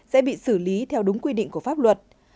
sẽ bị xử lý theo đúng quy định của pháp luật